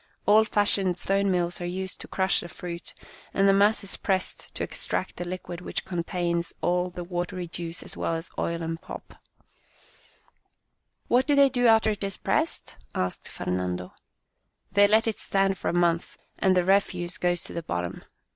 Old fashioned stone mills are used to crush the Rainy Days 81 fruit, and the mass is pressed to extract the liquid which contains all the watery juice as well as the oil and pulp." " What do they do after it is pressed ?" asked Fernando. "They let it stand for a month and the refuse goes to the bottom.